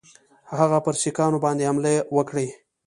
هغه پر سیکهانو باندي حمله وکړي.